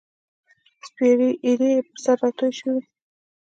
سپیرې ایرې یې پر سر راتوی شوې